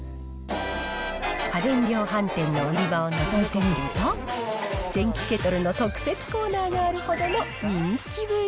家電量販店の売り場をのぞいてみると、電気ケトルの特設コーナーがあるほどの人気ぶり。